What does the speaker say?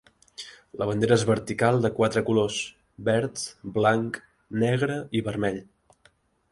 La bandera és vertical de quatre colors: verd, blanc, negre i vermell.